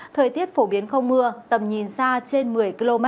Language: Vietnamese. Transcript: thời tiết phổ biến không mưa tầm nhìn xa trên một mươi km